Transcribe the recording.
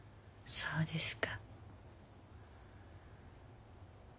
そうですか。